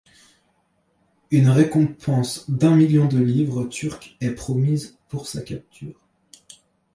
Une récompense d'un million de livres turques est promise pour sa capture.